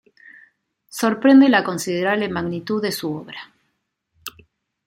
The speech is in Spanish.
Sorprende la considerable magnitud de su obra.